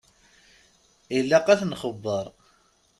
Ilaq ad ten-nxebbeṛ.